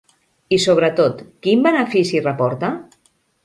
I sobretot: ¿quin benefici reporta?